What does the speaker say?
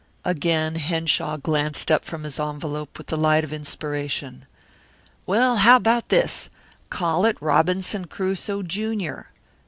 Again Henshaw glanced up from his envelope with the light of inspiration. "Well, how about this? Call it Robinson Crusoe, Junior!